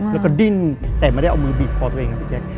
แล้วก็ดิ้นแต่ไม่ได้เอามือบีบคอตัวเองครับพี่แจ๊ค